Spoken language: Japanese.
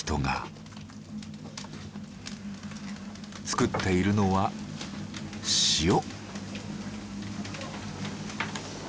作っているのは塩。